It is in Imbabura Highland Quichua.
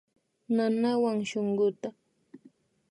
Nanawan shunkuta